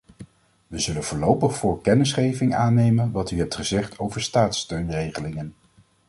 We zullen voorlopig voor kennisgeving aannemen wat u hebt gezegd over staatssteunregelingen.